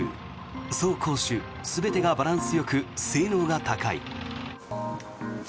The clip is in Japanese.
走攻守全てがバランスよく性能が高い。